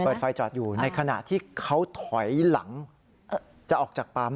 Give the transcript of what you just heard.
ไฟจอดอยู่ในขณะที่เขาถอยหลังจะออกจากปั๊ม